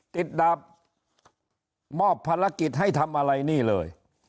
ดับมอบภารกิจให้ทำอะไรนี่เลย